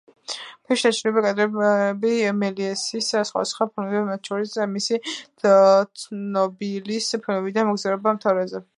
ფილმში ნაჩვენებია კადრები მელიესის სხვადასხვა ფილმებიდან, მათ შორის მისი ცნობილის ფილმიდან „მოგზაურობა მთვარეზე“.